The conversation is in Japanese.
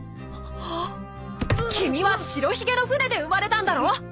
君は白ひげの船で生まれたんだろ！